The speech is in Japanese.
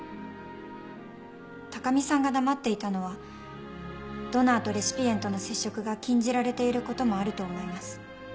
高見さんが黙っていたのはドナーとレシピエントの接触が禁じられていることもあると思います。